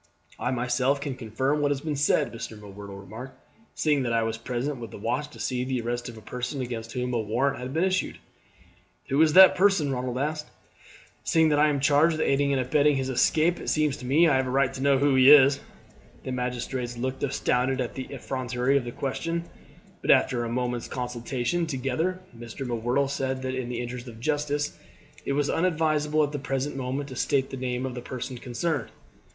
"I myself can confirm what has been said," Mr. M'Whirtle remarked, "seeing that I was present with the watch to see the arrest of a person against whom a warrant had been issued." "Who is that person?" Ronald asked. "Seeing that I am charged with aiding and abetting his escape it seems to me that I have a right to know who he is." The magistrates looked astounded at the effrontery of the question, but after a moment's consultation together Mr. M'Whirtle said that in the interest of justice it was unadvisable at the present moment to state the name of the person concerned.